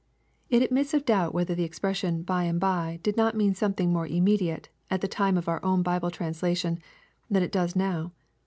It admits of doubt whether the expression " by and by" did not mean something more immediate, at the time of our own Bible translation, than it does now.